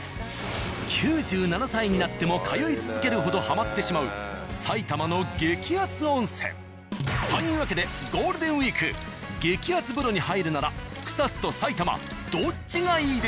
９７歳になっても通い続けるほどハマってしまうというわけでゴールデンウィーク激熱風呂に入るなら草津と埼玉どっちがいいですか？